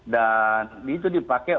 dan itu dipakai